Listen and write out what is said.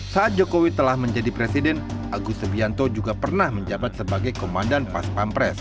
saat jokowi telah menjadi presiden agus subianto juga pernah menjabat sebagai komandan pas pampres